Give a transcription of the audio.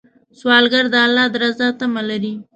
سوالګر د الله د رضا تمه لري